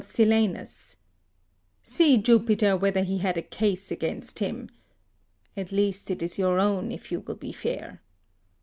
Silanus see, Jupiter, whether he had a case against him (at least it is your own if you will be fair.)